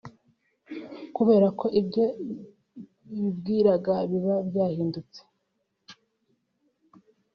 kubera ko ibyo bibwiraga biba byahindutse